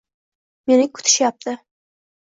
Meni kutishayapti.